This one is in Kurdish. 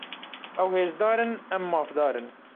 Ew hêzdar in, em mafdar in.